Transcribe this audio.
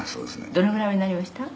「どれぐらいおやりになりました？」